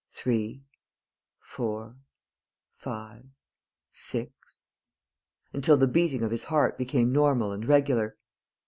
Three.... Four.... Five.... Six" until the beating of his heart became normal and regular.